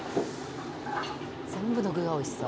「全部の具がおいしそう」